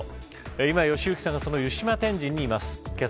今、良幸さんがその湯島天神にいます。